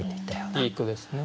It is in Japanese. いい句ですね。